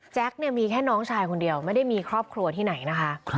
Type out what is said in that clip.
มีแค่น้องชายคนเดียวไม่ได้มีครอบครัวที่ไหนนะคะ